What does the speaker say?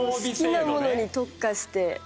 好きなものに特化して。